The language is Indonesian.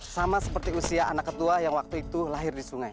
sama seperti usia anak ketua yang waktu itu lahir di sungai